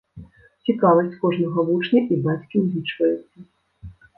Цікавасць кожнага вучня і бацькі улічваецца!